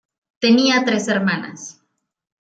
Tenía tres hermanas.